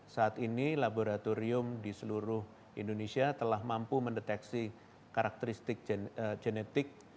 saat ini laboratorium di seluruh indonesia telah mampu mendeteksi karakteristik genetik